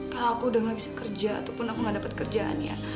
kalau aku udah gak bisa kerja ataupun aku gak dapat kerjaan ya